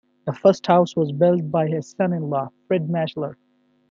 The first house was built by his son-in-law, Fred Maechler.